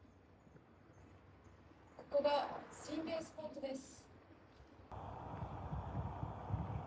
ここが心霊スポットです。